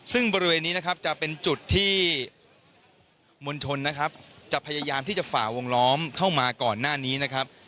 ซึ่งบริเวณนี้นะครับจะเป็นจุดที่มวลชนนะครับจะพยายามที่จะฝ่าวงล้อมเข้ามาก่อนหน้านี้นะครับ